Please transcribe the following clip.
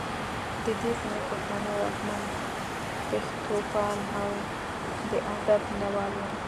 د دې سیمې پښتانه واکمن پښتوپال او د ادب مینه وال وو